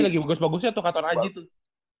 lagi bagus bagusnya tuh katon aji tuh